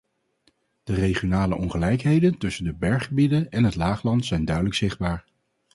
De regionale ongelijkheden tussen de berggebieden en het laagland zijn duidelijk zichtbaar.